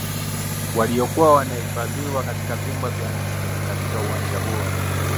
waliokuwa wanahifadhiwa katika vyumba vya chini katika uwanja huo